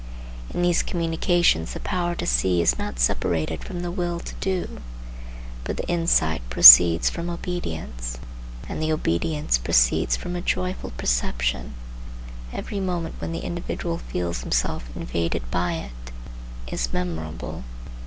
In these communications the power to see is not separated from the will to do, but the insight proceeds from obedience, and the obedience proceeds from a joyful perception. Every moment when the individual feels himself invaded by it is memorable.